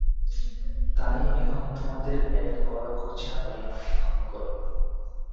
তাই এখন তোমাদের প্ল্যানের পরোয়া করছি না বলে আমাকে ক্ষমা করো।